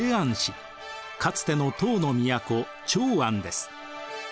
かつての唐の都長安です。